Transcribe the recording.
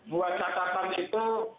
buat catatan itu